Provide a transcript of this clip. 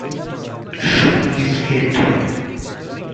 Shook his head.